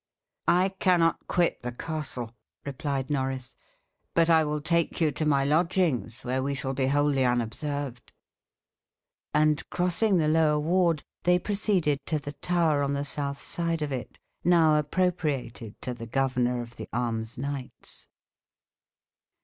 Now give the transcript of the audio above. "I cannot quit the castle," replied Norris; "but I will take you to my lodgings, where we shall be wholly unobserved." And crossing the lower ward, they proceeded to the tower on the south side of it, now appropriated to the governor of the alms knights.